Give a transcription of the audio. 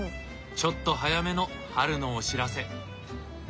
ちょっと早めの春のお知らせ。